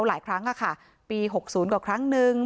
หลายครั้งค่ะปี๖๐กว่าครั้งนึง